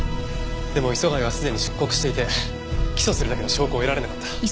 でも磯貝はすでに出国していて起訴するだけの証拠を得られなかった。